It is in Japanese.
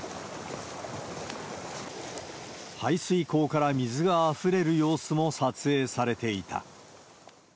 排水溝から水があふれる様子も撮影されていた。